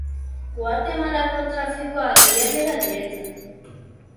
Guatemalako trafikoa gehiegi da niretzat.